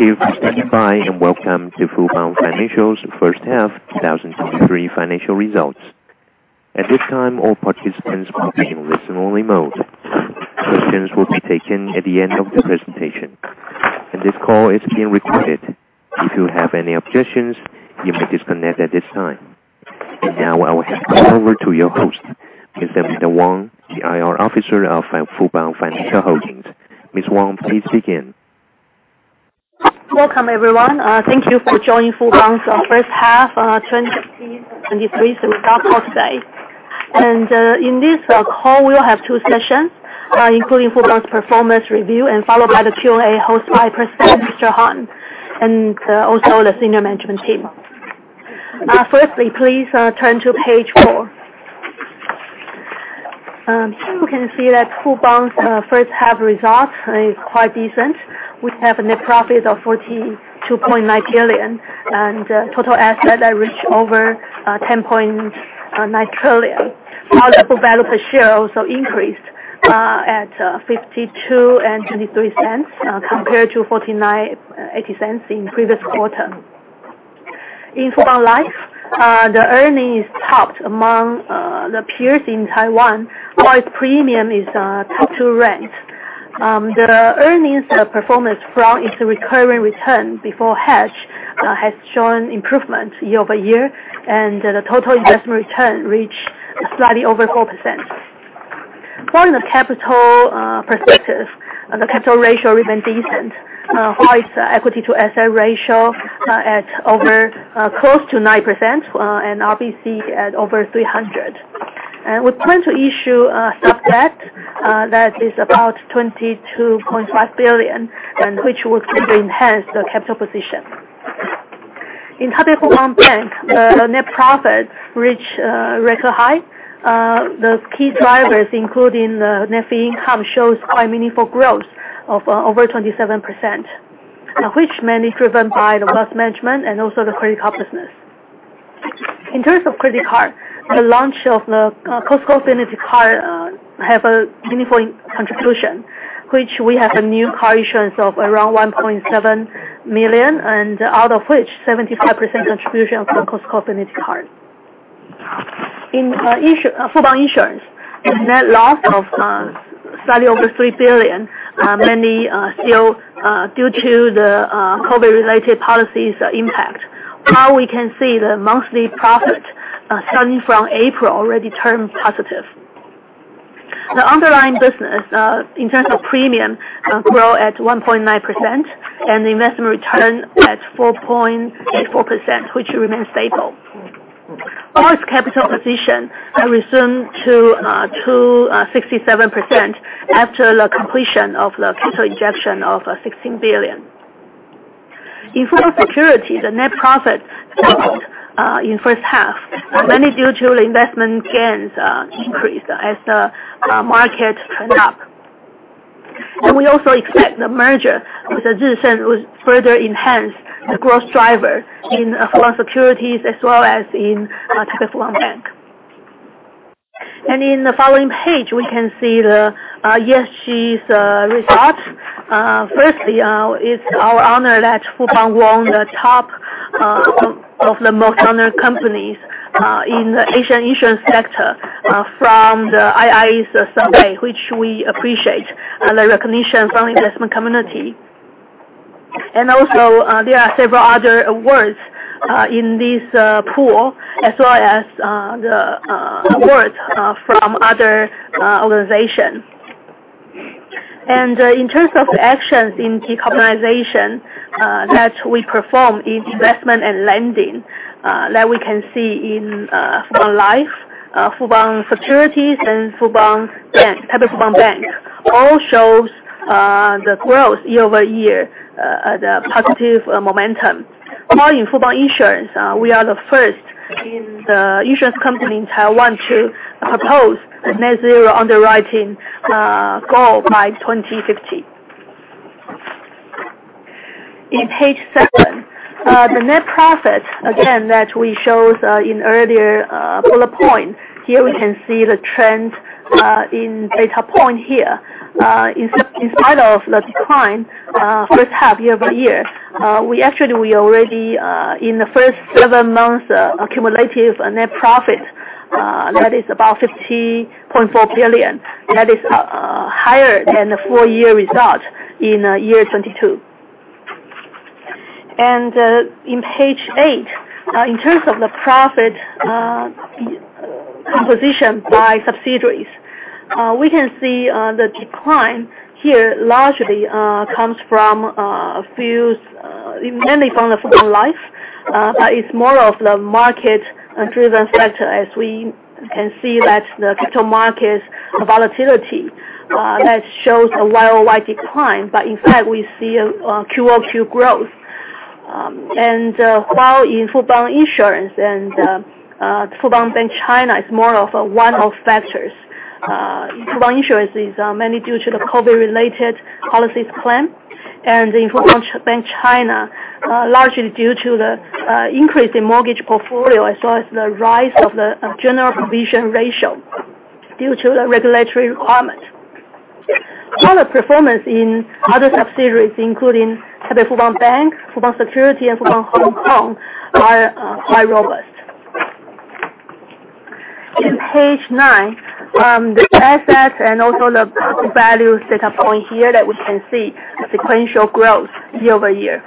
Thank you for standing by, and welcome to Fubon Financial's first half 2023 financial results. At this time, all participants will be in listen-only mode. Questions will be taken at the end of the presentation, and this call is being recorded. If you have any objections, you may disconnect at this time. Now, I will hand over to your host, Ms. Amanda Wang, the IR Officer of Fubon Financial Holdings. Ms. Wang, please begin. Welcome, everyone. Thank you for joining Fubon's first half 2023 results call today. In this call, we will have two sessions, including Fubon's performance review, and followed by the Q&A, hosted by President Jerry Harn, and also the senior management team. Firstly, please turn to page 4. Here we can see that Fubon's first half results is quite decent. We have a net profit of 42.9 billion, and total asset that reach over 10.9 trillion. While the book value per share also increased at 52.23, compared to 49.80 in previous quarter. In Fubon Life, the earnings topped among the peers in Taiwan, while its premium is top-two ranked. The earnings performance from its recurring return before hedge has shown improvement year-over-year, and the total investment return reach slightly over 4%. From the capital perspective, the capital ratio remain decent, while its equity to asset ratio at over close to 9%, and RBC at over 300. We plan to issue subdebt that is about 22.5 billion, which will further enhance the capital position. In Fubon Bank, the net profit reach record high. The key drivers, including the net fee income, shows quite meaningful growth of over 27%, which mainly driven by the wealth management and also the credit card business. In terms of credit card, the launch of the Costco Affinity Card have a meaningful contribution, which we have a new card issuance of around 1.7 million, and out of which 75% contribution of the Costco Affinity Card. In Fubon Insurance, net loss of slightly over 3 billion, mainly still due to the COVID-related policies impact. While we can see the monthly profit starting from April already turned positive. The underlying business in terms of premium grow at 1.9%, and the investment return at 4.84%, which remains stable. Fubon's capital position resumed to 67% after the completion of the capital injection of 16 billion. In Fubon Securities, the net profit dropped in first half, mainly due to investment gains increase as the market turned up. We also expect the merger with Jih Sun will further enhance the growth driver in Fubon Securities, as well as in Fubon Bank. In the following page, we can see the ESG results. Firstly, it's our honor that Fubon won the top of the most honored companies in the Asian insurance sector from the II survey, which we appreciate the recognition from investment community. Also, there are several other awards in this pool, as well as the awards from other organizations. In terms of the actions in decarbonization that we perform in investment and lending that we can see in Fubon Life, Fubon Securities and Fubon Bank, all shows the growth year-over-year, the positive momentum. While in Fubon Insurance, we are the first insurance company in Taiwan to propose a net zero underwriting goal by 2050. On page 7, the net profit, again, that we showed in earlier bullet point, here we can see the trend in data point here. In spite of the decline first half year-over-year, we actually already in the first seven months cumulative net profit that is about 50.4 billion. That is higher than the full year result in year 2022. And in page eight, in terms of the profit composition by subsidiaries, we can see the decline here largely comes from a few, mainly from Fubon Life, but it's more of the market driven factor, as we can see that the capital markets volatility that shows a YOY decline. But in fact, we see a QOQ growth. And while in Fubon Insurance and Fubon Bank China is more of a one-off factors. Fubon Insurance is mainly due to the COVID-related policies claim, and in Fubon Bank China, largely due to the increase in mortgage portfolio, as well as the rise of the general provision ratio due to the regulatory requirement. All the performance in other subsidiaries, including Fubon Bank, Fubon Securities, and Fubon Hong Kong are quite robust. In page nine, the assets and also the book value set up on here that we can see the sequential growth year-over-year.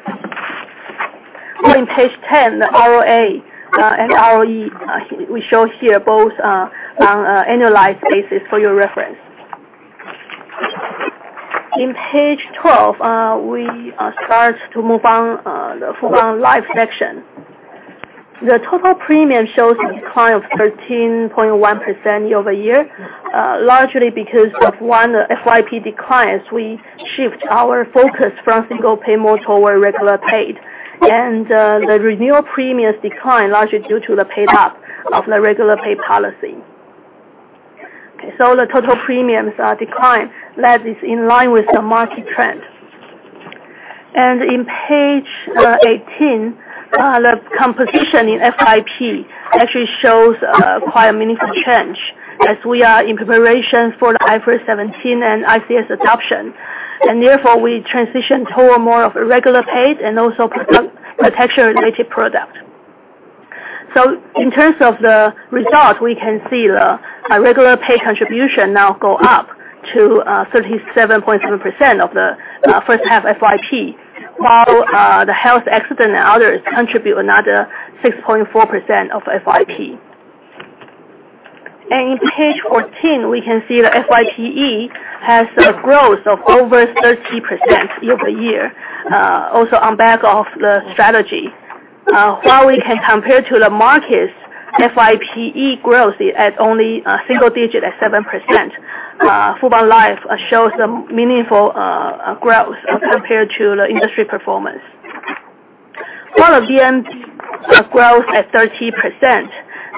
Well, in page ten, the ROA and ROE we show here both on annualized basis for your reference. In page twelve, we start to move on the Fubon Life section. The total premium shows a decline of 13.1% year-over-year, largely because of our FYP declines. We shift our focus from single pay more toward regular pay, and the renewal premiums decline largely due to the payout of the regular pay policy. Okay, so the total premiums decline that is in line with the market trend. In page 18, the composition in FYP actually shows quite a meaningful change as we are in preparation for the IFRS 17 and ICS adoption, and therefore, we transition toward more of a regular paid and also protection-related product. So in terms of the results, we can see the regular pay contribution now go up to 37.7% of the first half FYP, while the health accident and others contribute another 6.4% of FYP. In page 14, we can see the FYPE has a growth of over 30% year-over-year, also on back of the strategy. While we can compare to the market's FYPE growth at only single digit at 7%, Fubon Life shows a meaningful growth as compared to the industry performance. While the BM growth at 30%,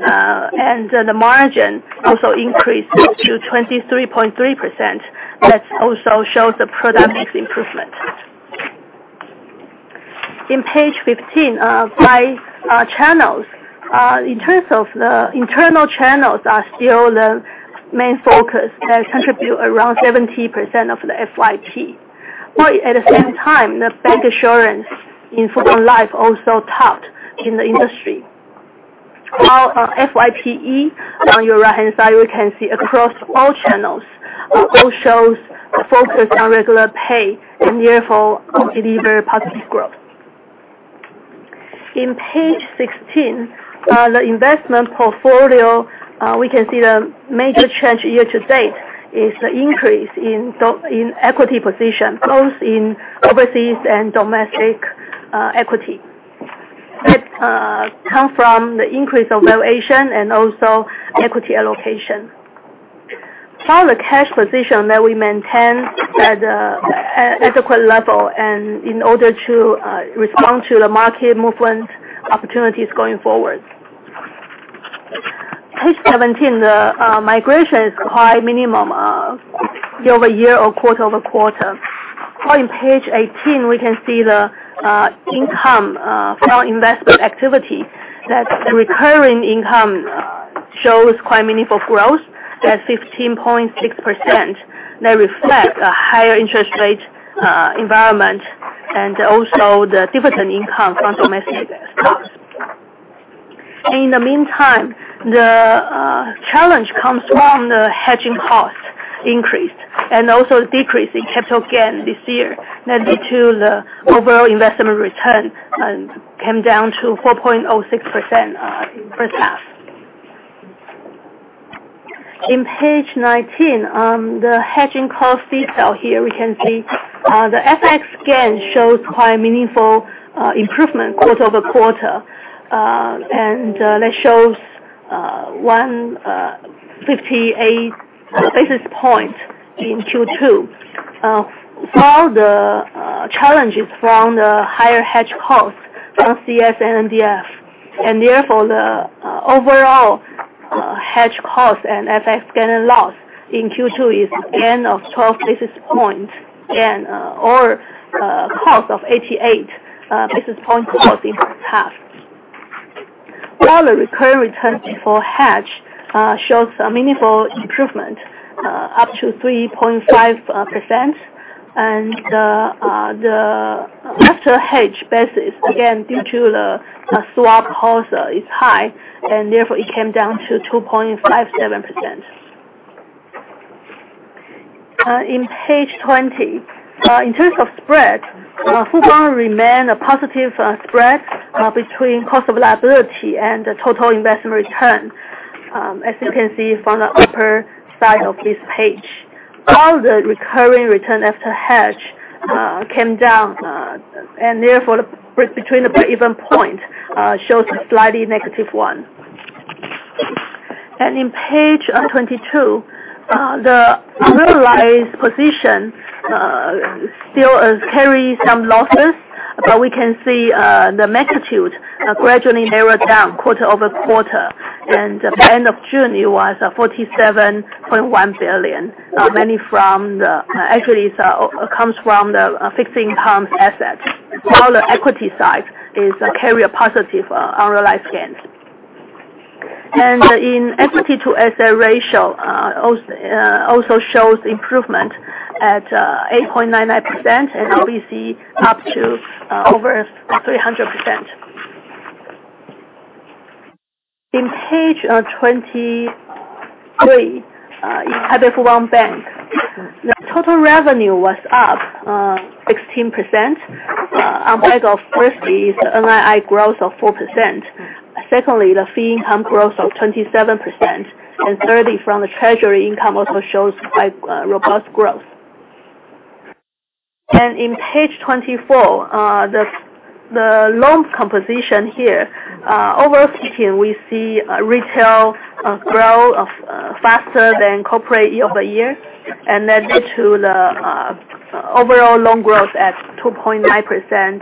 and the margin also increased to 23.3%. That also shows the product mix improvement. In page 15, by channels, in terms of the internal channels are still the main focus that contribute around 70% of the FYP. But at the same time, the bancassurance in Fubon Life also topped in the industry. While on FYPE, on your right-hand side, you can see across all channels, all shows a focus on regular pay and therefore deliver positive growth. In page 16, the investment portfolio, we can see the major change year to date is the increase in equity position, both in overseas and domestic equity. That come from the increase of valuation and also equity allocation. While the cash position that we maintain at an adequate level and in order to respond to the market movement opportunities going forward. Page 17, the migration is quite minimum year-over-year or quarter-over-quarter. While in page 18, we can see the income from investment activity, that the recurring income shows quite meaningful growth at 15.6%. That reflect a higher interest rate environment and also the dividend income from domestic stocks. In the meantime, the challenge comes from the hedging cost increase and also decrease in capital gain this year, that lead to the overall investment return came down to 4.06% first half. In page nineteen, the hedging cost detail here, we can see, the FX gain shows quite a meaningful improvement quarter-over-quarter, and that shows 158 basis point in Q2. While the challenges from the higher hedge costs from CS and NDF, and therefore, the overall hedge costs and FX gain and loss in Q2 is gain of 12 basis point and, or, cost of 88 basis point cost in first half. While the recurring return before hedge shows a meaningful improvement up to 3.5%, and the after hedge basis, again, due to the swap cost is high, and therefore, it came down to 2.57%. In page 20, in terms of spread, Fubon remain a positive spread between cost of liability and the total investment return, as you can see from the upper side of this page. While the recurring return after hedge came down, and therefore, the spread between the breakeven point shows a slightly negative one. In page 22, the unrealized position still carry some losses, but we can see the magnitude gradually narrow down quarter-over-quarter, and by end of June, it was 47.1 billion, mainly from the... Actually, it's comes from the fixed term assets, while the equity side is carry a positive unrealized gains. And in equity to asset ratio also shows improvement at 8.99%, and we see up to over 300%. In page 23, in Taipei Fubon Bank, the total revenue was up 16%. On back of, firstly, the NII growth of 4%. Secondly, the fee income growth of 27%, and thirdly, from the treasury income also shows quite robust growth. And in page 24, the loan composition here, overall speaking, we see retail grow of faster than corporate year-over-year, and that lead to the overall loan growth at 2.9%.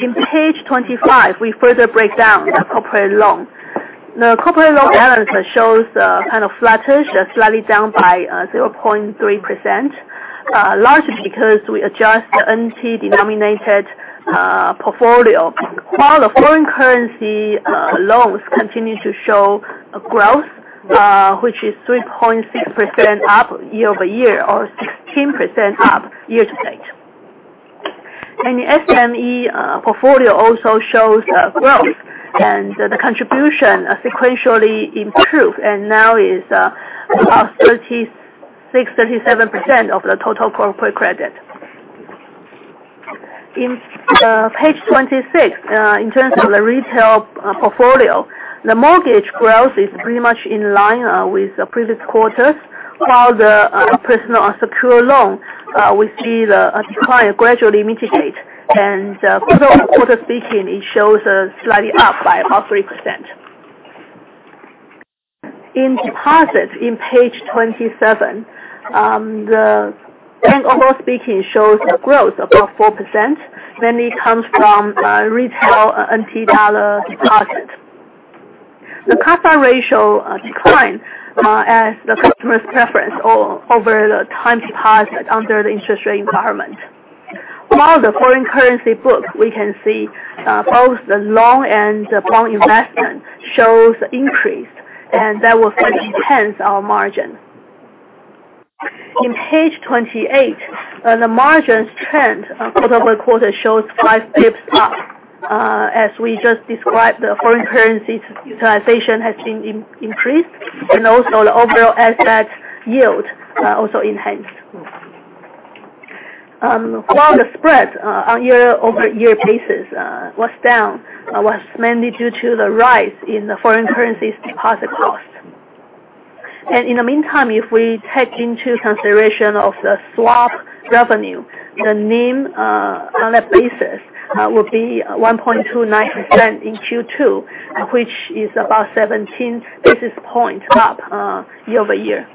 In page 25, we further break down the corporate loan. The corporate loan balance shows kind of flattish, slightly down by 0.3%, largely because we adjust the NT-denominated portfolio. While the foreign currency loans continue to show growth, which is 3.6% up, year-over-year or 16% up, year-to-date. And the SME portfolio also shows growth, and the contribution sequentially improved, and now is about 36%-37% of the total corporate credit. In page 26, in terms of the retail portfolio, the mortgage growth is pretty much in line with the previous quarters, while the personal unsecured loan we see the decline gradually mitigate. And quarter-on-quarter speaking, it shows slightly up by about 3%. In deposits, in page 27, and overall speaking, shows a growth of about 4%, mainly comes from retail and T-dollar deposit. The CASA ratio declined as the customer's preference over the time deposit under the interest rate environment. While the foreign currency book, we can see, both the loan and the bond investment shows increase, and that will enhance our margin. In page 28, the margins trend quarter-over-quarter shows five basis points up. As we just described, the foreign currency utilization has been increased, and also the overall asset yield also enhanced. While the spread on year-over-year basis was down, was mainly due to the rise in the foreign currency's deposit cost. In the meantime, if we take into consideration of the swap revenue, the NIM on that basis will be 1.29% in Q2, which is about 17 basis points up year-over-year.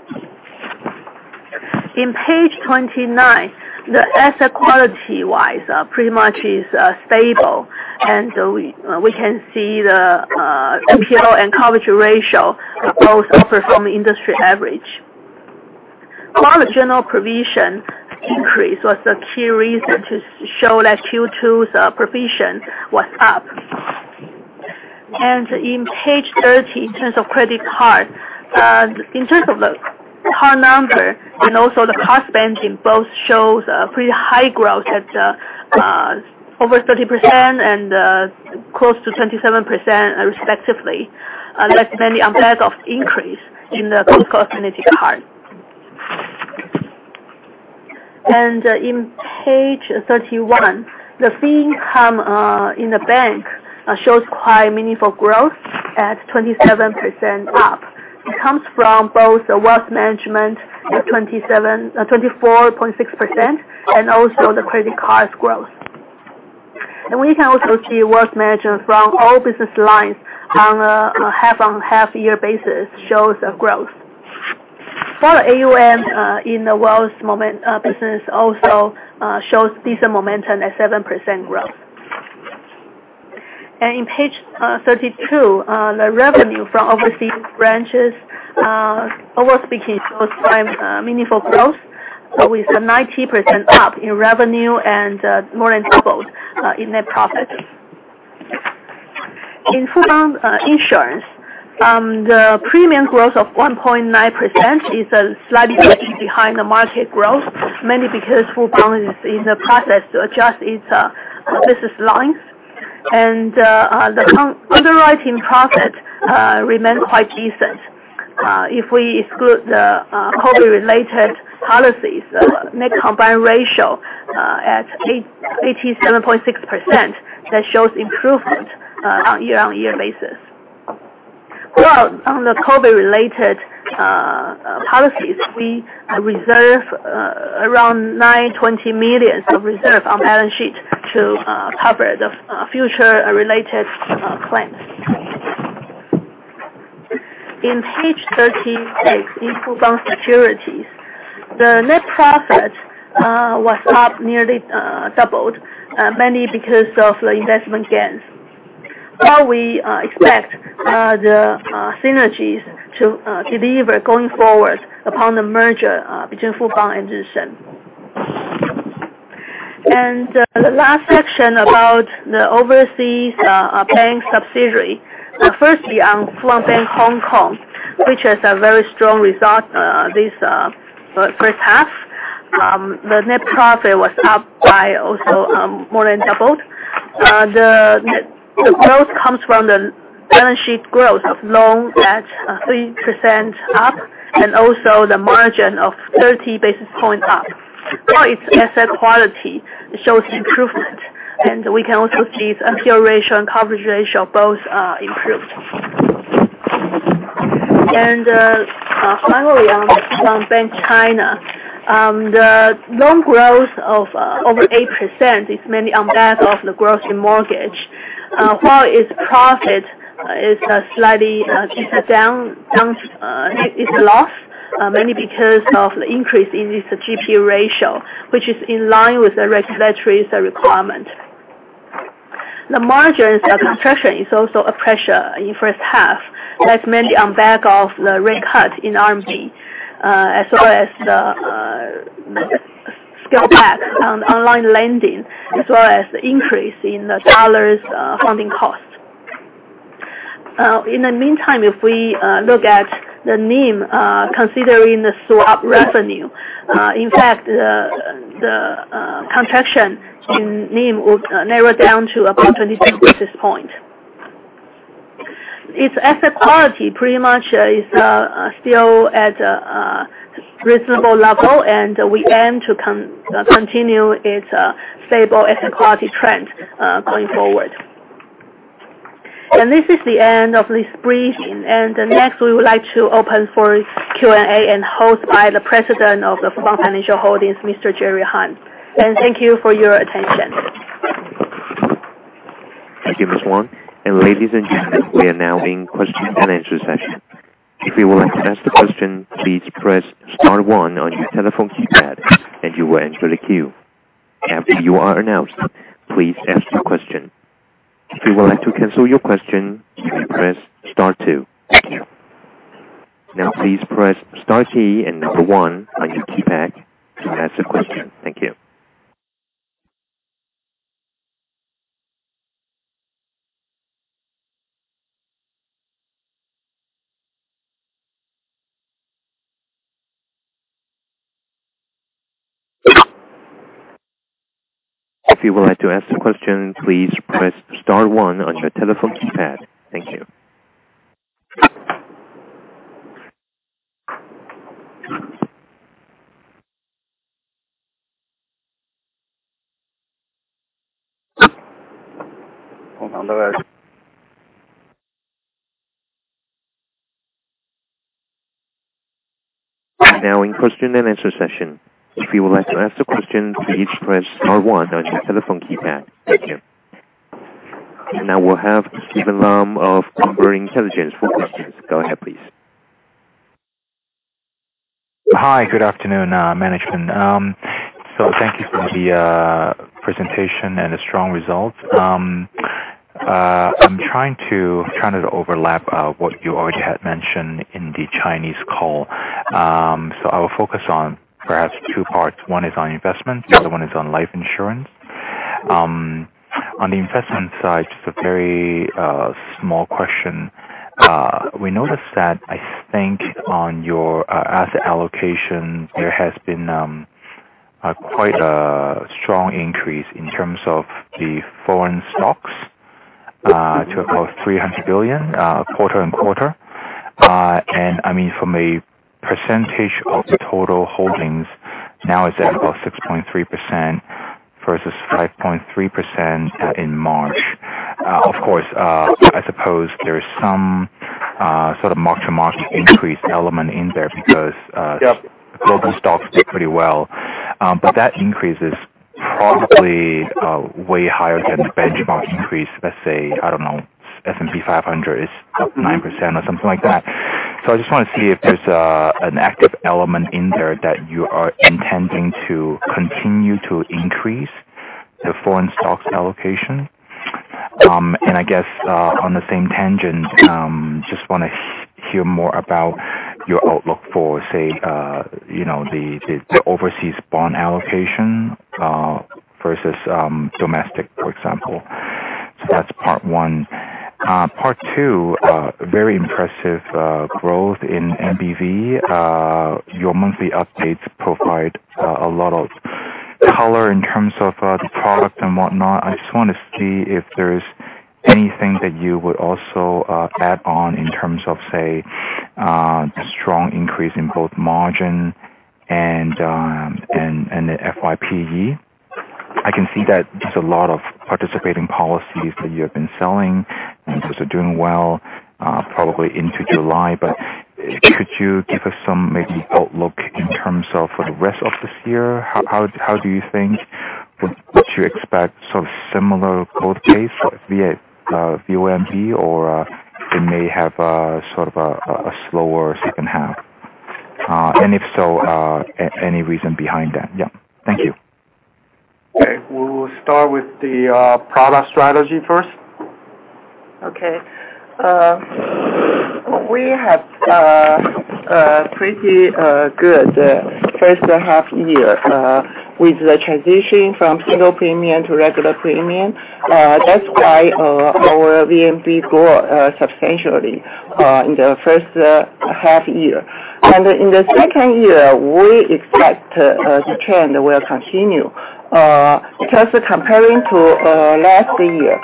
In page 29, the asset quality wise pretty much is stable, and we can see the NPL and coverage ratio both outperform industry average. While the general provision increase was the key reason to show that Q2's provision was up. In page 30, in terms of credit card, in terms of the card number and also the card spending, both shows a pretty high growth at over 30% and close to 27% respectively. That's mainly on back of increase in the post-COVID card. On page 31, the fee income in the bank shows quite meaningful growth at 27% up. It comes from both the wealth management at 27, 24.6% and also the credit cards growth. We can also see wealth management from all business lines on a half-on-half year basis shows a growth. For AUM in the wealth management business also shows decent momentum at 7% growth. On page 32, the revenue from overseas branches overall speaking shows quite meaningful growth, with 90% up in revenue and more than doubled in net profit. In Fubon Insurance, the premium growth of 1.9% is slightly behind the market growth, mainly because Fubon is in the process to adjust its business lines. The underwriting profit remained quite decent. If we exclude the COVID-related policies, net combined ratio at 87.6%, that shows improvement on year-over-year basis. Well, on the COVID-related policies, we reserve around 920 million of reserve on balance sheet to cover the future related claims. In page 36, in Fubon Securities, the net profit was up nearly doubled mainly because of the investment gains. While we expect the synergies to deliver going forward upon the merger between Fubon and Jih Sun. The last section about the overseas bank subsidiary. But firstly, on Fubon Bank, Hong Kong, which has a very strong result this first half. The net profit was up by also more than doubled. The growth comes from the balance sheet growth of loans at 3% up, and also the margin of 30 basis points up. While its asset quality shows improvement, and we can also see its NPL ratio and coverage ratio both improved. Finally, on Bank China, the loan growth of over 8% is mainly on the back of the growth in mortgage. While its profit is slightly down, its loss mainly because of the increase in its GPA ratio, which is in line with the regulator's requirement. The margin compression is also a pressure in first half, that's mainly on the back of the rate cut in RMB, as well as the scale back on online lending, as well as the increase in the dollars funding costs. In the meantime, if we look at the NIM, considering the swap revenue, in fact, the contraction in NIM would narrow down to about 20 basis point. Its asset quality pretty much is still at a reasonable level, and we aim to continue its stable asset quality trend going forward. And this is the end of this briefing, and next, we would like to open for Q&A and host by the President of the Fubon Financial Holdings, Mr. Jerry Harn. And thank you for your attention. Thank you, Ms. Wang. Ladies and gentlemen, we are now in question and answer session. If you would like to ask the question, please press star one on your telephone keypad, and you will enter the queue. After you are announced, please ask your question. If you would like to cancel your question, you may press star two. Thank you. Now, please press star key and number one on your keypad to ask a question. Thank you. If you would like to ask the question, please press star one on your telephone keypad. Thank you. We're now in question and answer session. If you would like to ask a question, please press star one on your telephone keypad. Thank you. Now we'll have Steven Lam of Bloomberg Intelligence for questions. Go ahead, please. Hi, good afternoon, management. So thank you for the presentation and the strong results. I'm trying to overlap what you already had mentioned in the Chinese call. So I will focus on perhaps two parts. One is on investment, the other one is on life insurance. On the investment side, just a very small question. We noticed that, I think, on your asset allocation, there has been quite a strong increase in terms of the foreign stocks to about 300 billion quarter-over-quarter. And I mean, from a percentage of the total holdings, now it's at about 6.3% versus 5.3% in March. Of course, I suppose there is some sort of mark-to-market increase element in there because, Yep. Global stocks did pretty well. But that increase is probably way higher than the benchmark increase, let's say, I don't know, S&P 500 is up 9% or something like that. So I just want to see if there's an active element in there that you are intending to continue to increase the foreign stocks allocation. And I guess, on the same tangent, just wanna hear more about your outlook for, say, you know, the overseas bond allocation, versus domestic, for example. So that's part one. Part two, very impressive growth in NBV. Your monthly updates provide a lot of color in terms of the product and whatnot. I just want to see if there is anything that you would also add on in terms of, say, strong increase in both margin and the FYPE. I can see that there's a lot of participating policies that you have been selling, and those are doing well, probably into July. But could you give us some maybe outlook in terms of for the rest of this year? How do you think? Would you expect sort of similar growth pace via VOMP, or it may have sort of a slower second half? And if so, any reason behind that? Yeah. Thank you. Okay. We will start with the product strategy first.... Okay. We have pretty good first half year with the transition from single premium to regular premium. That's why our VNB grow substantially in the first half year. And in the second year, we expect the trend will continue. Because comparing to last year,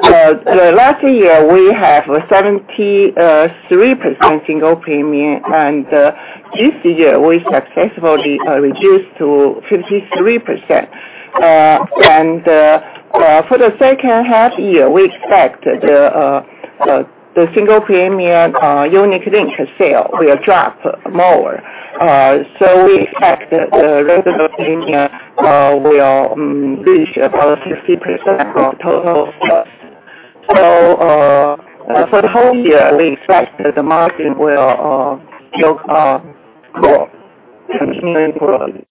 the last year we have 73% single premium, and this year we successfully reduced to 53%. And for the second half year, we expect the single premium unit-linked sale will drop more. So we expect the regular premium will reach about 60% of total sales. So for the whole year, we expect that the margin will still grow continually.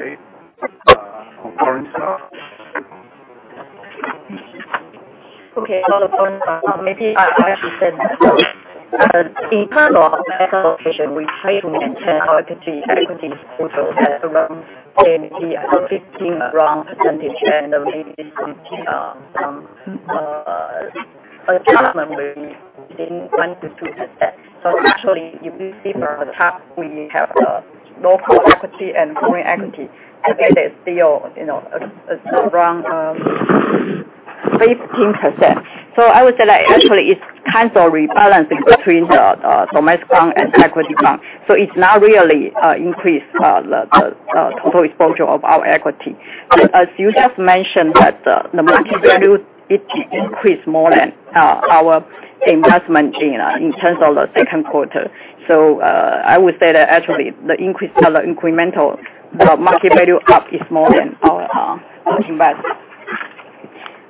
Okay. Foreign stock? Okay. A lot of foreign stock, maybe I actually said that. In terms of allocation, we try to maintain our equity, equities total at around 80 or 15 around percentage, and we did some adjustment within 1-2 assets. So actually, if you see from the top, we have local equity and foreign equity. Again, it's still, you know, around 15%. So I would say that actually it's kind of rebalancing between the domestic bank and equity bank. So it's not really increase the total exposure of our equity. But as you just mentioned, that the market value, it increased more than our investment in in terms of the second quarter. So I would say that actually the increase, the incremental, the market value up is more than our invest.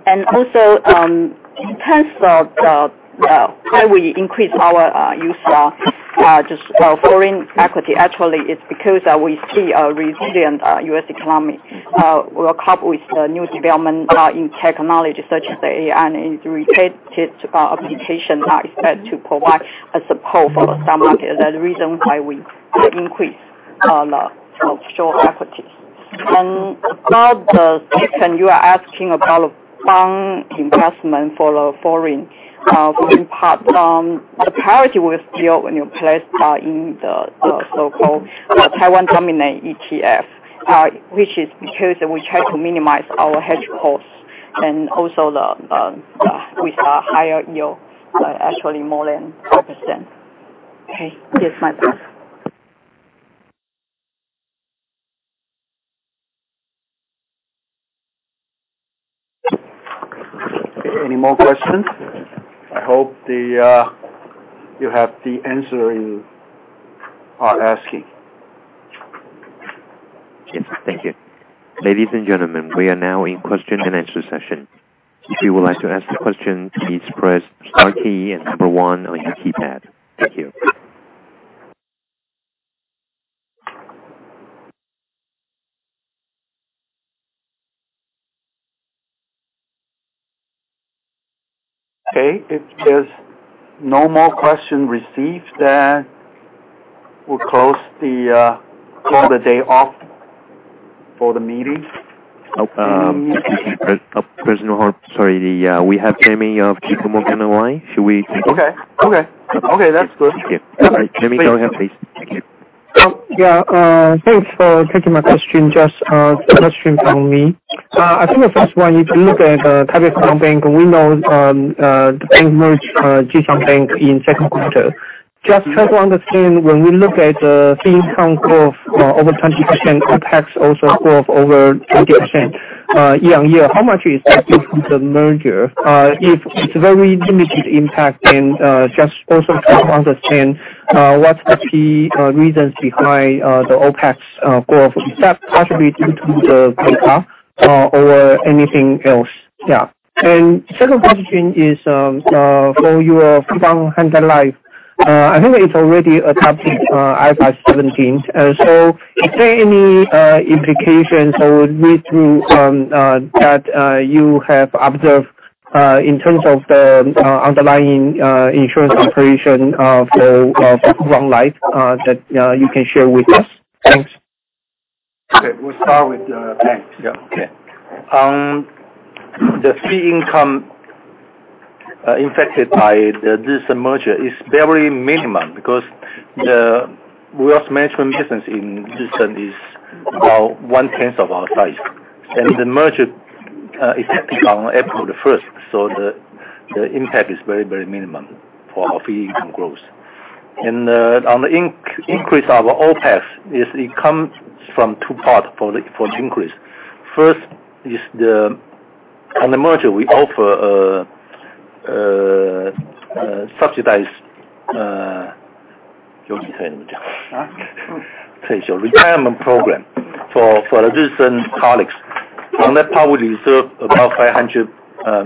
And also, in terms of the how we increase our use just foreign equity, actually it's because we see a resilient U.S. economy will couple with the new development in technology such as the AI and its related applications are expected to provide a support for the stock market. That's the reason why we increase the offshore equities. And about the second, you are asking about bank investment for the foreign part. The priority was still when you place in the so-called the Taiwan Dominant ETF, which is because we try to minimize our hedge costs and also with a higher yield actually more than 5%. Okay? Yes, my pleasure. Any more questions? I hope that you have the answers you're asking. Yes, thank you. Ladies and gentlemen, we are now in question and answer session. If you would like to ask the question, please press star key and number one on your keypad. Thank you. Okay. If there's no more question received, then we'll close the call, call the day off for the meeting. Oh, sorry, we have Jimmy of Kikuman Hawaii. Should we continue? Okay. Okay. Okay, that's good. Thank you. All right, Jimmy, go ahead, please. Thank you. Yeah, thanks for taking my question. Just two questions from me. I think the first one, if you look at Taipei Fubon Commercial Bank, we know the bank merged Jih Sun Bank in second quarter. Just try to understand, when we look at the fee income growth over 20%, OPEX also growth over 20%, year-over-year, how much is that due to the merger? If it's very limited impact and just also to understand what's the key reasons behind the OPEX growth. Is that possibly due to the data or anything else? Yeah. And second question is for your Fubon Hyundai Life. I think it's already adopted IFRS 17. So, is there any implications or risk to that you have observed in terms of the underlying insurance operation of Fubon Life that you can share with us? Thanks. Okay, we'll start with the banks. Yeah. Okay. The fee income impacted by this merger is very minimum because the wealth management business in Jih Sun is about one tenth of our size, and the merger effective on April 1, so the impact is very, very minimum for our fee income growth. And on the increase in our OPEX, it comes from two parts for the increase. First, is the... On the merger, we offer a subsidized retirement program for the Jih Sun colleagues, and that probably serve-... about 500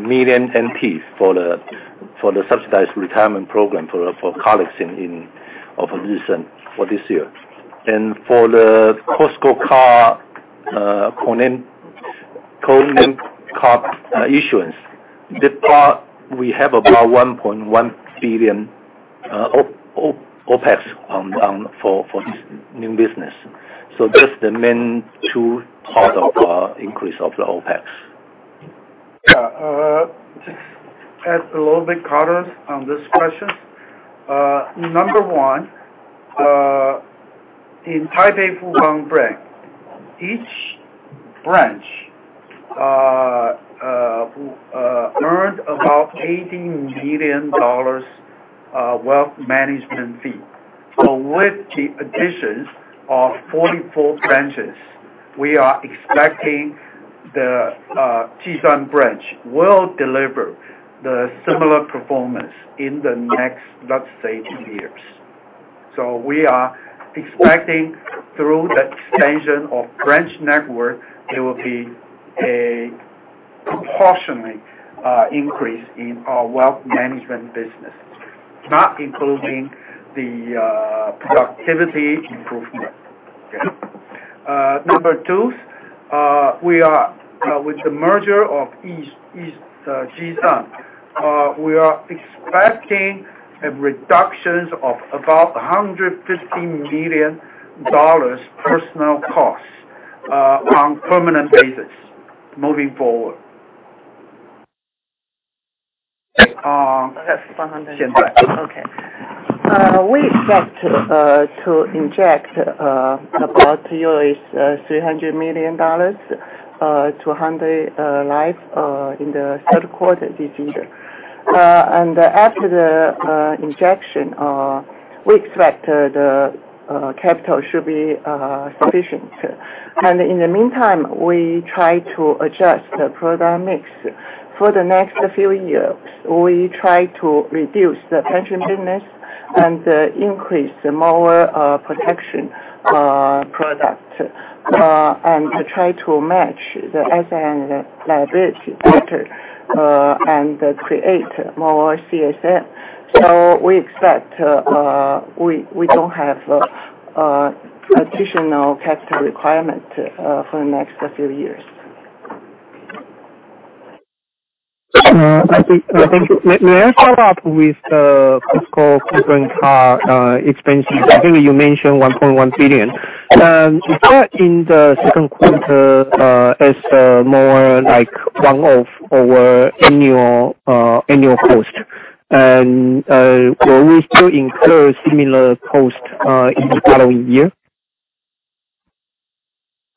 million NT for the subsidized retirement program for colleagues in office recently for this year. And for the Costco card, co-branded card issuance, that part we have about 1.1 billion OpEx down for this new business. So that's the main two part of our increase of the OpEx. Yeah, just add a little bit color on this question. Number one, in Taipei Fubon Bank, each branch earned about $80 million wealth management fee. So with the addition of 44 branches, we are expecting the Jih Sun branch will deliver the similar performance in the next, let's say, two years. So we are expecting through the expansion of branch network, there will be a proportionate increase in our wealth management business, not including the productivity improvement. Number two, we are with the merger of Jih Sun, we are expecting a reduction of about $150 million personnel costs on permanent basis moving forward. That's 100. Okay. We expect to inject about $300 million to Hyundai Life in the third quarter this year. After the injection, we expect the capital should be sufficient. In the meantime, we try to adjust the product mix. For the next few years, we try to reduce the pension business and increase more protection product and try to match the SN liability better and create more CSM. So we expect we don't have additional capital requirement for the next few years. Thank you. May I follow up with the Costco co-brand card expenses? I think you mentioned 1.1 billion. Is that in the second quarter as more like one-off or annual cost? And will we still incur similar costs in the following year?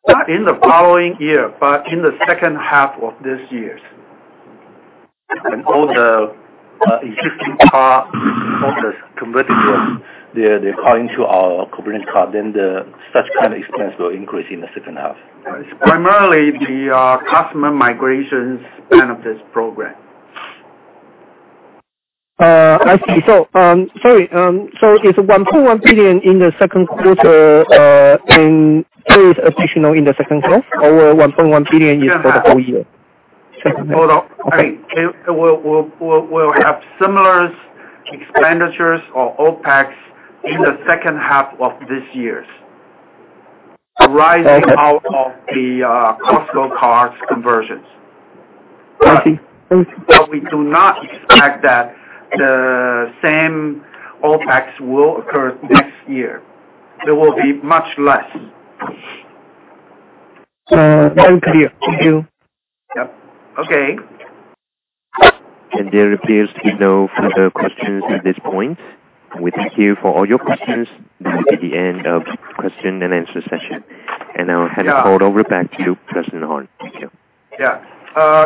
Not in the following year, but in the second half of this year. All the existing cardholders converting their card into our co-brand card, then the such kind of expense will increase in the second half. It's primarily the customer migrations benefit program. I see. So, sorry, so it's 1.1 billion in the second quarter, and there is additional in the second quarter, or 1.1 billion is for the whole year? Hold on. Okay. We'll have similar expenditures or OpEx in the second half of this year, rising out of the Costco cards conversions. I see. We do not expect that the same OpEx will occur this year. There will be much less. Very clear. Thank you. Yep. Okay. There appears to be no further questions at this point. We thank you for all your questions. This will be the end of question and answer session, and I'll hand the call over back to you, President Harn. Thank you. Yeah.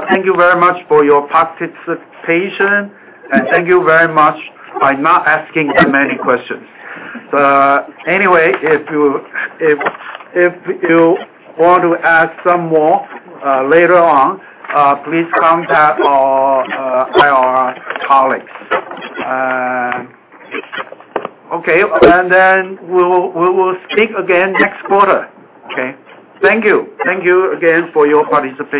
Thank you very much for your participation, and thank you very much by not asking too many questions. Anyway, if you want to ask some more later on, please contact our IR colleagues. Okay, and then we'll speak again next quarter. Okay. Thank you. Thank you again for your participation.